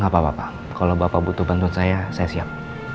gapapa kalau bapak butuh bantuan saya saya siap